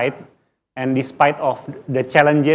dan meskipun ada tantangan